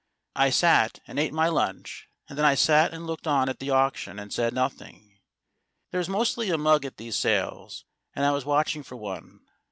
I .sat and ate my lunch, and then I sat and looked on at the auction, and said nothing. There is mostly a mug at these sales, and I was watching for one.